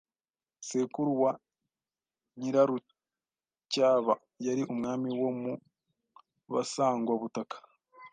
Sekuru wa Nyirarucyaba yari umwami wo mu basangwabutaka